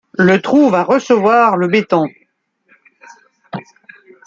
le trou va recevoir le béton